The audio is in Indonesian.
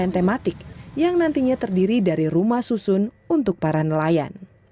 ia juga berencana merancang kampung nelayan tematik yang nantinya terdiri dari rumah susun untuk para nelayan